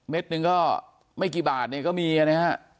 เม็ดหนึ่งไม่กี่บาทก็มีอันนี้ฮะ